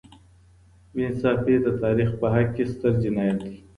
بې انصافي د تاریخ په حق کي ستر جنایت دی.